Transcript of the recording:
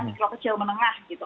mikro kecil menengah gitu